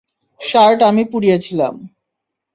Shirt আমি পুড়িয়েছিলাম।